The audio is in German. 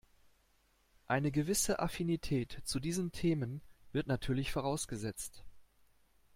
Eine gewisse Affinität zu diesen Themen wird natürlich vorausgesetzt.